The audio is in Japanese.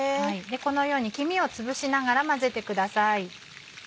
このように黄身をつぶしながら混ぜてください。